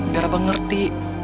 biar abang ngerti